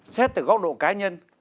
xét từ góc độ cá nhân